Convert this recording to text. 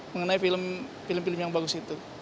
mengenai film film yang bagus itu